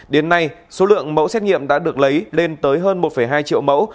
đến nay số lượng mẫu xét nghiệm đã được lấy lên tới hơn một hai triệu mẫu